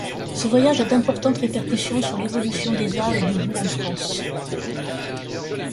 Ce voyage a d’importantes répercussions sur l’évolution des arts et du goût en France.